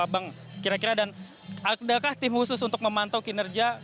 bang kira kira dan adakah tim khusus untuk memantau kinerja